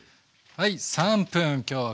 はい！